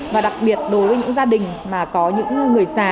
và đặc biệt đối với những gia đình mà có những người già